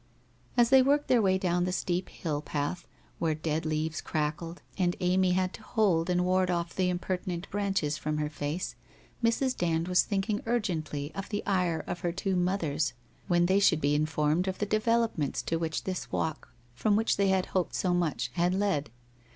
As they worked their way down the steep hill path where dead leaves crackled and Amy had to hold and ward off the impertinent branches from her face, Mrs. Dand was thinking urgently of the ire of her two mothers when they should be informed of the developments to which this walk from which they had hoped so much had led.